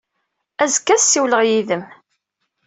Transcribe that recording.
Azekka, ad ssiwleɣ yid-m.